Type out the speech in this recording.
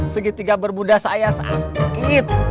segitiga bermuda saya sakit